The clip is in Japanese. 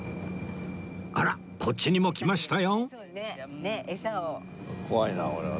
あらこっちにも来ましたよ